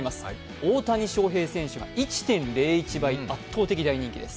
大谷翔平選手が圧倒的大人気です。